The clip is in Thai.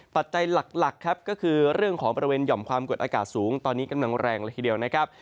ปัจจัยหลักครับก็คือเรื่องของบริเวณหย่อมความกดอากาศสูงตอนนี้กำลังแรงละทีเดียวนะครับ